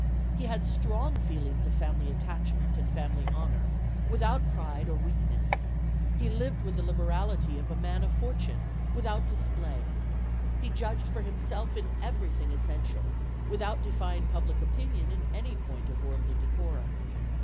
He had strong feelings of family attachment and family honour, without pride or weakness; he lived with the liberality of a man of fortune, without display; he judged for himself in everything essential, without defying public opinion in any point of worldly decorum.